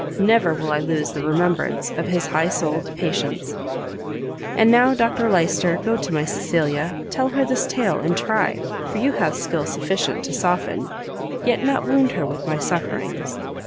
never will I lose the remembrance of his high souled patience. "And now, Dr Lyster, go to my Cecilia; tell her this tale, and try, for you have skill sufficient, to soften, yet not wound her with my sufferings.